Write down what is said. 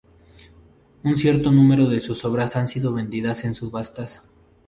Un cierto número de sus obras han sido vendidas en subastas.